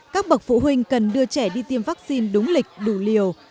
các bậc phụ huynh cần đưa trẻ đi tiêm vaccine đúng lịch đủ liều